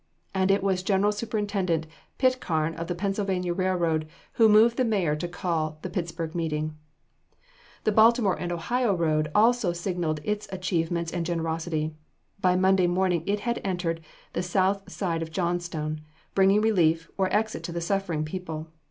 And it was General Superintendent Pitcairn of the Pennsylvania Road who moved the mayor to call the Pittsburg meeting. The Baltimore & Ohio Road also signalized its achievements and generosity. By Monday morning it had entered the south side of Johnstown, bringing relief, or exit to the suffering people.